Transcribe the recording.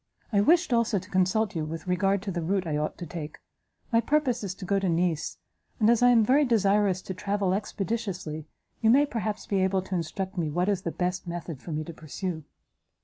I wished, also to consult you with regard to the route I ought to take. My purpose is to go to Nice, and as I am very desirous to travel expeditiously, you may perhaps be able to instruct me what is the best method for me to pursue."